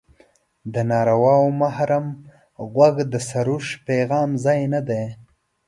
د ناروا محرم غوږ د سروش پیغام ځای نه دی.